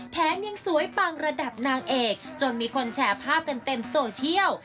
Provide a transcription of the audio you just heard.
แถมยังสวยปังระดับนางเอกจนมีคนแชร์ภาพกันเต็มโซเชียล